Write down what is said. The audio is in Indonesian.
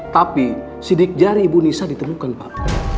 tapi sidik jari ibu nisa ditemukan pak